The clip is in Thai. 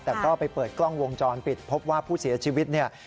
แต่ก็ไปเปิดกล้องวงจรปิดพบว่าผู้เสียชีวิตเนี่ย